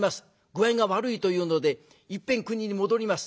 具合が悪いというのでいっぺん国に戻ります。